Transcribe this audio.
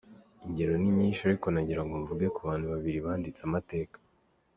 Ingero ni nyinshi ariko nagira ngo mvuge ku bantu babiri banditse amateka